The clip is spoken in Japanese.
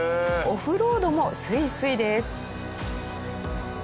オフロードもスイスイです。